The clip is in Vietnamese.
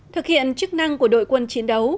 thực hiện chức năng của đội quân chiến đấu